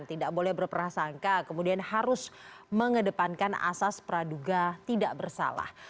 tidak boleh berperasangka kemudian harus mengedepankan asas praduga tidak bersalah